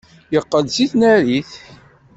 Yeqqel-d seg tnarit.